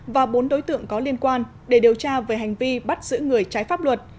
và bốn đối tượng có liên quan để điều tra về hành vi bắt giữ người trái pháp luật